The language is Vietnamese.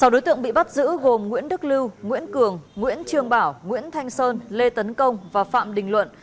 sáu đối tượng bị bắt giữ gồm nguyễn đức lưu nguyễn cường nguyễn trương bảo nguyễn thanh sơn lê tấn công và phạm đình luận